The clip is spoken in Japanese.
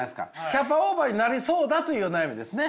キャパオーバーになりそうだという悩みですね。